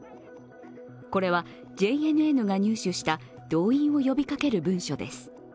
これはＪＮＮが入手した動員を呼びかける文書です。